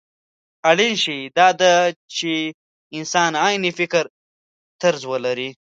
اړين شی دا دی چې انسان عيني فکرطرز ولري.